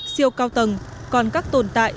siêu cao tầng còn các tồn tại